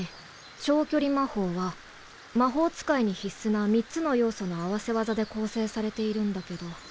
長距離魔法は魔法使いに必須な３つの要素の合わせ技で構成されているんだけど。